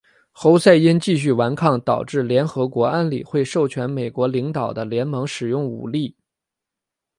侯赛因继续顽抗导致联合国安理会授权美国领导的联盟使用武力。